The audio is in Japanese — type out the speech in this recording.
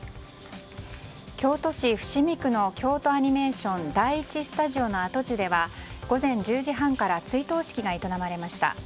京都市伏見区の京都アニメーション第１スタジオの跡地では、午前１０時半から追悼式が営まれました。